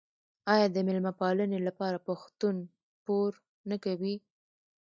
آیا د میلمه پالنې لپاره پښتون پور نه کوي؟